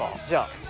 じゃあ。